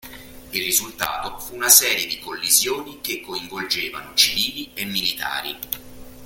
Il risultato fu una serie di collisioni che coinvolgevano civili e militari.